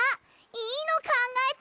いいのかんがえた！